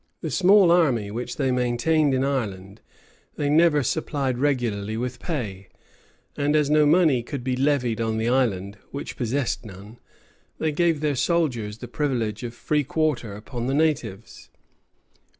The small army which they maintained in Ireland, they never supplied regularly with pay; and as no money could be levied on the island, which possessed none, they gave their soldiers the privilege of free quarter upon the natives.